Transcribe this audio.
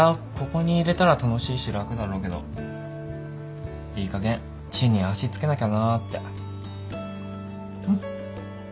ここにいれたら楽しいし楽だろうけどいいかげん地に足着けなきゃなって。